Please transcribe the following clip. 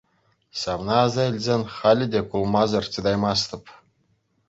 Ҫавна аса илсен, халӗ те кулмасӑр чӑтаймастӑп.